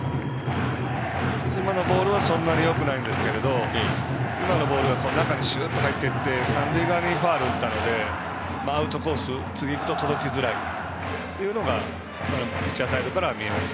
今のボールはそんなによくないですが今のボールは中にしゅっと入っていって三塁側にファウルを打ったのでアウトコース、次届きづらいというのがピッチャーサイドからは見えます。